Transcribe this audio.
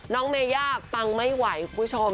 น้องเมาร์ไย่าปปังไม่ไหวคุณผู้ชม